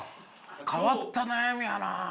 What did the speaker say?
変わった悩みやなあ。